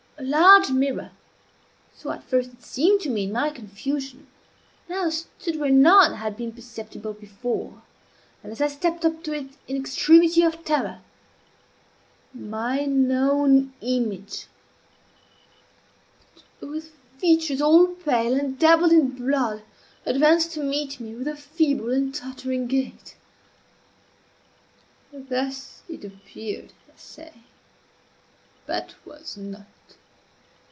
A large mirror so at first it seemed to me in my confusion now stood where none had been perceptible before; and, as I stepped up to it in extremity of terror, mine own image, but with features all pale and dabbled in blood, advanced to meet me with a feeble and tottering gait. Thus it appeared, I say, but was not.